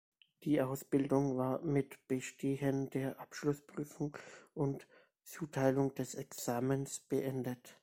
Die Ausbildung war mit Bestehen der Abschlussprüfung und Zuteilung des Examens beendet.